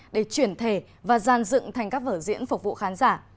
để chuyển thể và gian dựng thành các vở diễn phục vụ khán giả